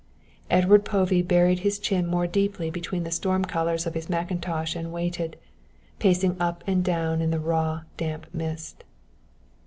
Edward Povey buried his chin more deeply between the storm collars of his mackintosh and waited, pacing up and down in the raw, damp mist.